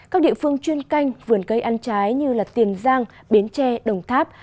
các địa phương chuyên canh vườn cây ăn trái như tiền giang bến tre đồng tháp